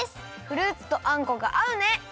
フルーツとあんこがあうね！